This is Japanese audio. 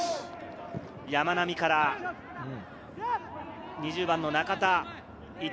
山並から、２０番の中田。